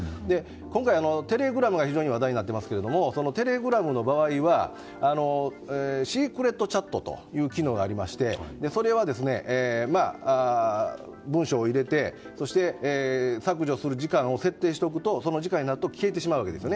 今回、テレグラムが非常に話題になっていますがテレグラムの場合はシークレットチャットという機能がありましてそれは文章を入れて削除する時間を設定しておくとその時間になると消えてしまうわけです。